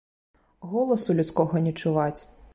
Голасу людскога не чуваць.